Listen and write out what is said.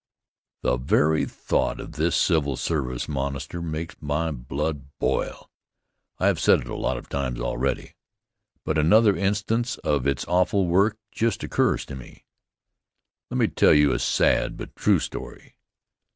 The very thought of this civil service monster makes my blood boil. I have said a lot about it already, but another instance of its awful work just occurs to me. Let me tell you a sad but true story.